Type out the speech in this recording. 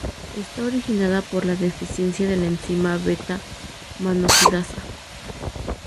Está originada por la deficiencia de la enzima beta-manosidasa,